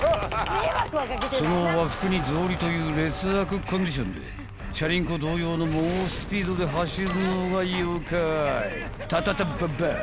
［その和服に草履という劣悪コンディションでチャリンコ同様の猛スピードで走るのが妖怪タタタババア］